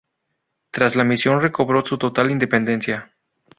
Tras la misma recobró su total independencia.